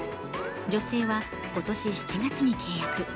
女性は今年７月に契約。